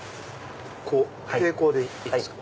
こう平行でいいですか？